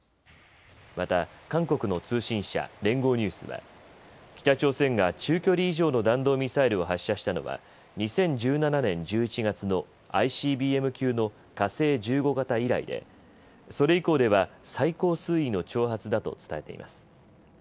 また、韓国の通信社連合ニュースは北朝鮮が中距離以上の弾道ミサイルを発射したのは２０１７年１１月のＩＣＢＭ級の火星１５型以来でそれ以降では最高水位の挑発だと伝えています。